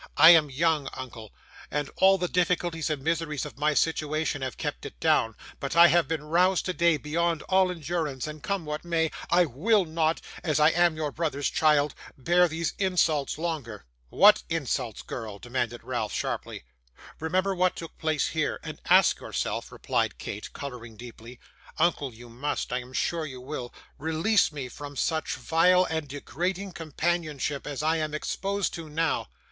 I am young, uncle, and all the difficulties and miseries of my situation have kept it down, but I have been roused today beyond all endurance, and come what may, I WILL NOT, as I am your brother's child, bear these insults longer.' 'What insults, girl?' demanded Ralph, sharply. 'Remember what took place here, and ask yourself,' replied Kate, colouring deeply. 'Uncle, you must I am sure you will release me from such vile and degrading companionship as I am exposed to now.